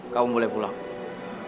kamu harus berjaga jaga